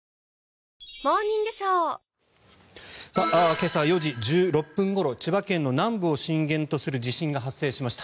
今朝４時１６分ごろ千葉県の南部を震源とする地震が発生しました。